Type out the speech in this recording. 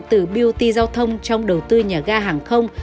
vì thế rút kinh nghiệm từ bioti giao thông trong đầu tư nhà ga hàng không